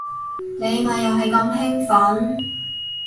你咪又係咁興奮